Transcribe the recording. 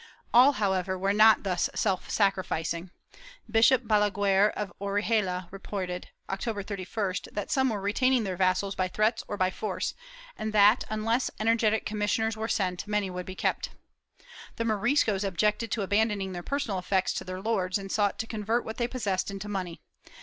^ All, however, were not thus self sacrificing. Bishop Balaguer of Ori huela reported, October 31st, that some were retaining their vassals by threats or by force, and that, unless energetic commissioners were sent, many would be kept.' The Moriscos objected to abandoning their personal effects to their lords and sought to convert what they possessed into money.